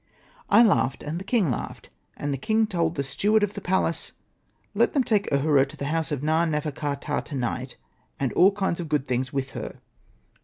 I laughed, and the king laughed. And the king told the steward of the palace, ' Let them take Ahura to the house of Na.nefer.ka.ptah to night, and all kinds of good things with her.'